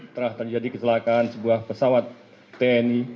telah terjadi kecelakaan sebuah pesawat tni